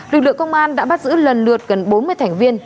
lực lượng công an đã bắt giữ lần lượt gần bốn mươi thành viên